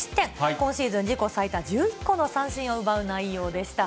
今シーズン自己最多１１個の三振を奪う内容でした。